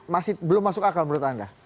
masih belum masuk akal menurut anda